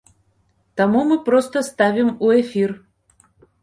Таму мы проста ставім у эфір.